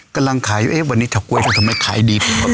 กำลังขายอยู่วันนี้เฉาก๊วยทำให้ขายดีผิด